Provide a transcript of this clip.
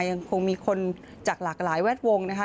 ยังคงมีคนจากหลากหลายแวดวงนะคะ